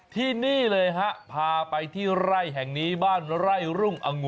ที่ฟังงาน